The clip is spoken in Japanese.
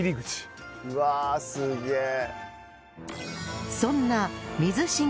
うわすげえ！